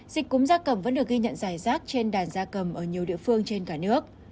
dịch cúm gia cầm vẫn được ghi nhận giải rác trên đàn da cầm ở nhiều địa phương trên cả nước